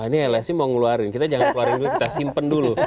ini lsi mau ngeluarin kita jangan keluarin dulu kita simpen dulu